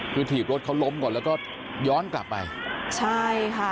คือถีบรถเขาล้มก่อนแล้วก็ย้อนกลับไปใช่ค่ะ